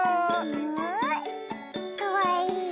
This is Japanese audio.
かわいい。